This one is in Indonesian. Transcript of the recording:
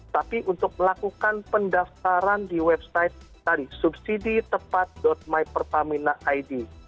tapi untuk melakukan pendaftaran di website tadi subsidi tepat mypertamina id